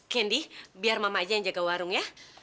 kendi biar mama aja yang jaga warung ya